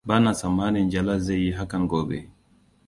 Ba na tsammanin Jalal zai yi hakan gobe.